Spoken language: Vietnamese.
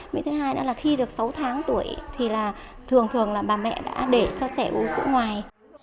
mỹ thứ hai nữa là khi được sáu tháng tuổi thì là thường thường là bà mẹ đã để cho trẻ uống sữa ngoài